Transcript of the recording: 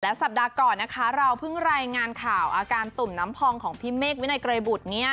สัปดาห์ก่อนนะคะเราเพิ่งรายงานข่าวอาการตุ่มน้ำพองของพี่เมฆวินัยไกรบุตรเนี่ย